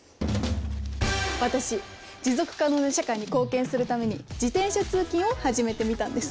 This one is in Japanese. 私持続可能な社会に貢献するために自転車通勤を始めてみたんです。